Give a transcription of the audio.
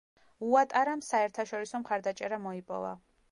უატარამ საერთაშორისო მხარდაჭერა მოიპოვა.